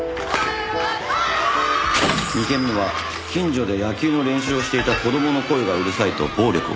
２件目は近所で野球の練習をしていた子供の声がうるさいと暴力を。